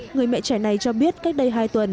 người mẹ trẻ này cho biết cách đây hai tuần